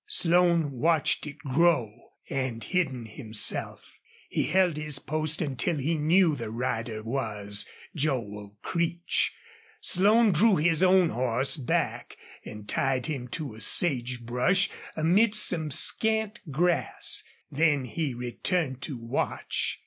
Slone watched it grow, and, hidden himself, he held his post until he knew the rider was Joel Creech. Slone drew his own horse back and tied him to a sage bush amidst some scant grass. Then he returned to watch.